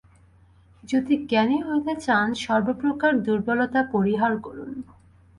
যদি জ্ঞানী হইতে চান, সর্বপ্রকার দুর্বলতা পরিহার করুন।